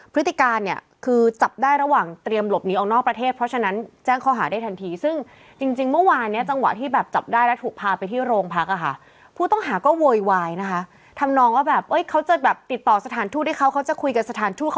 พฤติการเนี้ยคือจับได้ระหว่างเตรียมหลบหนีออกนอกประเทศ